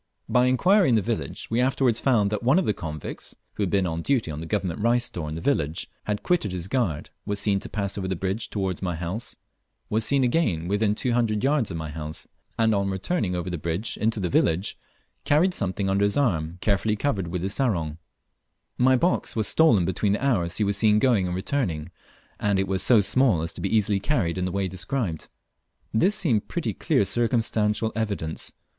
By inquiry in the village, we afterwards found that one of the convicts who was on duty at the Government rice store in the village had quitted his guard, was seen to pass over the bridge towards my house, was seen again within two hundred yards of my house, and on returning over the bridge into the village carried something under his arm, carefully covered with his sarong. My box was stolen between the hours he was seen going and returning, and it was so small as to be easily carried in the way described. This seemed pretty clear circumstantial evidence.